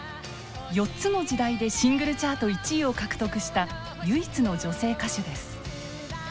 ４つの時代でシングルチャート１位を獲得した唯一の女性歌手です。